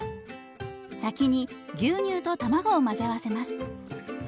先に牛乳と卵を混ぜ合わせます。